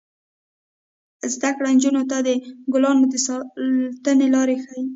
زده کړه نجونو ته د ګلانو د ساتنې لارې ښيي.